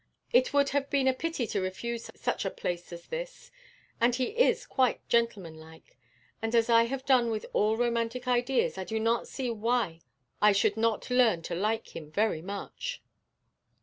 It would have been a pity to refuse such a place as this; and, he is quite gentlemanlike; and as I have done with all romantic ideas, I do not see why I should not learn to like him very much.'